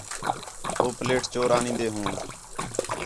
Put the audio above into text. ہو پلیٹ چور آنین٘دے ہوں